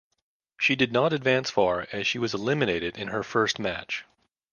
She did not advance far as she was eliminated in her first match.